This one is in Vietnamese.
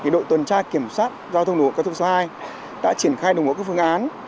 đội tuần tra kiểm soát giao thông đồ cơ thông số hai đã triển khai đồng hộ các phương án